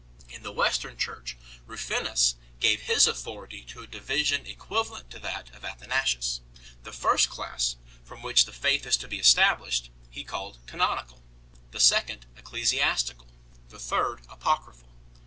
In the Western Church Rufinus 1 gave his authority to a division equivalent to that of Athanasius. The first class, from which the faith is to be established, he called Canonical ; the second Ecclesiastical ; the third Apocryphal.